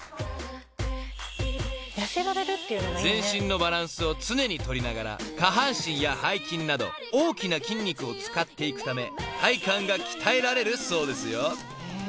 ［全身のバランスを常に取りながら下半身や背筋など大きな筋肉を使っていくため体幹が鍛えられるそうですよ］